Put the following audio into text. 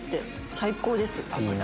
最高です。